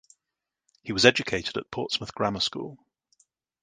He was educated at Portsmouth Grammar School.